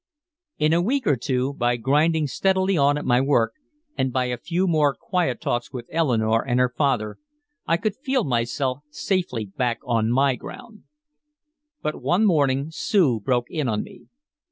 In a week or two, by grinding steadily on at my work and by a few more quiet talks with Eleanore and her father, I could feel myself safely back on my ground. But one morning Sue broke in on me.